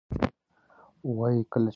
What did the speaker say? وایي کله چې د لیوه زوی را غټ شي،